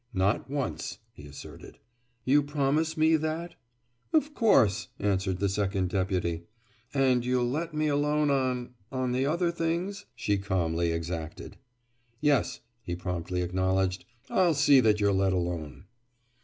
"Not once," he asserted. "You promise me that?" "Of course," answered the Second Deputy. "And you'll let me alone on—on the other things?" she calmly exacted. "Yes," he promptly acknowledged. "I'll see that you're let alone."